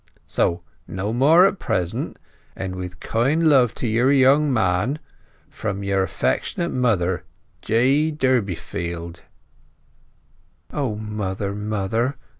So no more at present, and with kind love to your Young Man.—From your affectte. Mother, J. Durbeyfield "O mother, mother!"